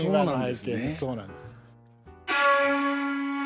そうなんです。